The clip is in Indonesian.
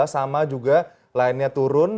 sama juga line nya turun